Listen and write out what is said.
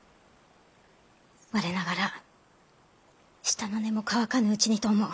我ながら舌の根も乾かぬうちにと思う。